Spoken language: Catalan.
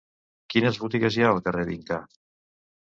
Quines botigues hi ha al carrer d'Inca?